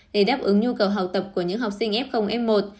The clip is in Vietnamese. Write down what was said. để đáp ứng nhu cầu học tập của những học sinh f f một